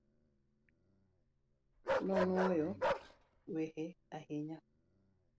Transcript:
Nonuoyo wehe ahinya